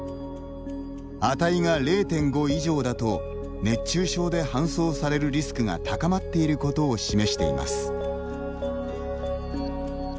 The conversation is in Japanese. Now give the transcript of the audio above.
値が０．５以上だと熱中症で搬送されるリスクが高まっていることを示しています。